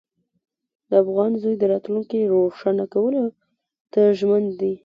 د افغان زوی د راتلونکي روښانه کولو ته ژمن دی.